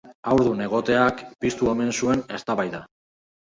Haurdun egoteak piztu omen zuen eztabaida.